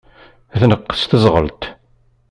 La tneqqes teẓɣelt.